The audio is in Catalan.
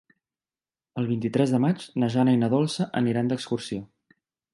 El vint-i-tres de maig na Jana i na Dolça aniran d'excursió.